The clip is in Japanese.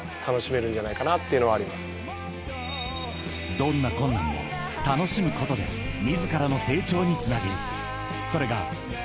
［どんな困難も楽しむことで自らの成長につなげるそれが長谷部誠のマイルール］